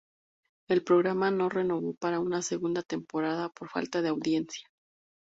El programa no renovó para una segunda temporada por falta de audiencia.